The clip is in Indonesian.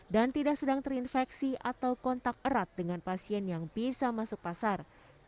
dan tidak sedang terinfeksi atau kontak erat dengan pasien yang bisa masuk pasar